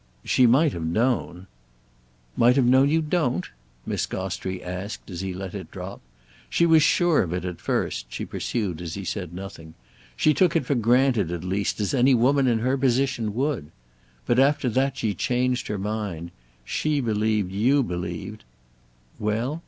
"She might have known—!" "Might have known you don't?" Miss Gostrey asked as he let it drop. "She was sure of it at first," she pursued as he said nothing; "she took it for granted, at least, as any woman in her position would. But after that she changed her mind; she believed you believed—" "Well?"